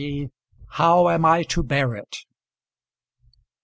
HOW AM I TO BEAR IT?